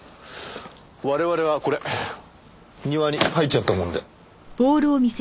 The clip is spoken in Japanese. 我々はこれ庭に入っちゃったもんで。